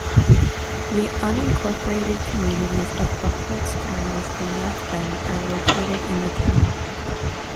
The unincorporated communities of Buckholz Corners and North Bend are located in the town.